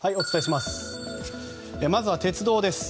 まずは鉄道です。